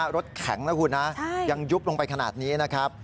รถแข็งนะคุณนะยังยุบลงไปขนาดนี้นะครับ